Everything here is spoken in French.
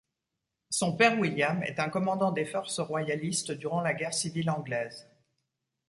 Son père William est un commandant des forces royalistes durant la Guerre civile anglaise.